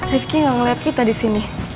rifki gak ngeliat kita disini